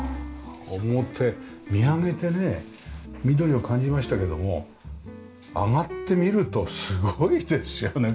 表見上げてね緑を感じましたけども上がってみるとすごいですよね